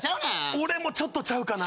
俺もちょっとちゃうかな。